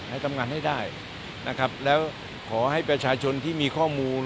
ให้ทำงานให้ได้นะครับแล้วขอให้ประชาชนที่มีข้อมูล